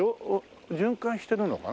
循環してるのかな？